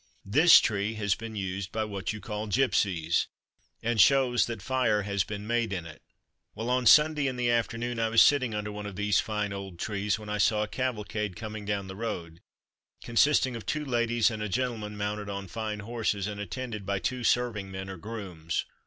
This tree has been used by what you call gipsies and shows that fire has been made in it. "Well, on Sunday, in the afternoon, I was sitting under one of these fine old trees, when I saw a cavalcade coming down the road, consisting of two ladies and a gentleman mounted on fine horses, and attended by two serving men or grooms.